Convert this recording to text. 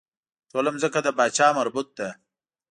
ټوله ځمکه د پاچا مربوط ده.